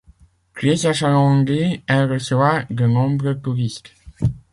Très achalandée, elle reçoit de nombreux touristes.